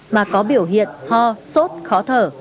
mà có biểu hiện ho sốt khó thở